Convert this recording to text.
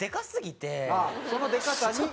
そのでかさに。